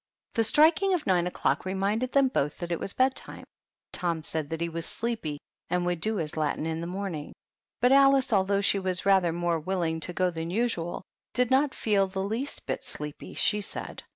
The striking of nine o'clock reminded them both that it was bedtime. Tom said that he was sleepy, and would do his Latin in the morning ; but Alice, although she was rather more willing to go than usual, did not feel the least bit sleepy, she said.